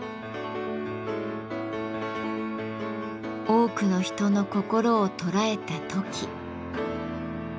多くの人の心を捉えたトキ。